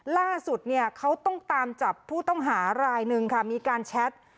ล่าสุดเนี่ยเขาต้องตามจับผู้ต้องหารายหนึ่งค่ะมีการแชท